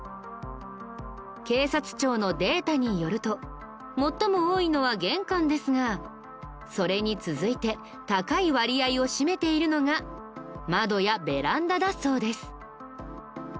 警察庁のデータによると最も多いのは玄関ですがそれに続いて高い割合を占めているのが窓やベランダだそうです。